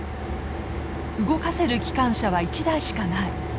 動かせる機関車は１台しかない。